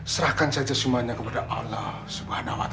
serahkan saja semuanya kepada allah subhanahu wa ta'ala